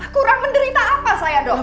kurang menderita apa saya dong